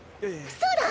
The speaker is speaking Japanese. そうだ！